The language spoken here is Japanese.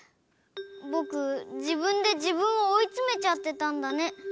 ぼくじぶんでじぶんをおいつめちゃってたんだね。